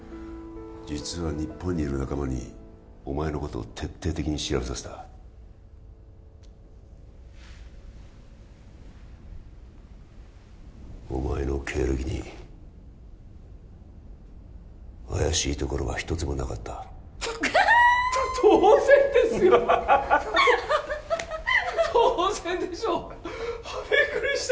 実は日本にいる仲間にお前のことを徹底的に調べさせたお前の経歴に怪しいところが一つもなかったあはは！と当然ですよ！ハハハ当然でしょうビックリした！